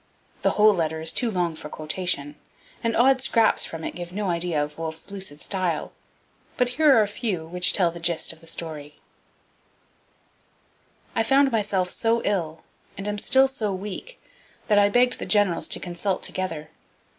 The whole letter is too long for quotation, and odd scraps from it give no idea of Wolfe's lucid style. But here are a few which tell the gist of the story: I found myself so ill, and am still so weak, that I begged the generals to consult together.